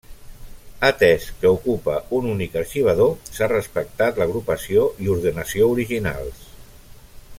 Atès que ocupa un únic arxivador, s'ha respectat l'agrupació i ordenació originals.